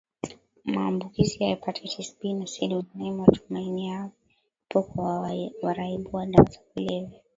maambukizi ya Hepatatis B na C dunianiMatumaini yapo kwa waraibu wa dawa za kulevya